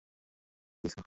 এসব কী স্যার?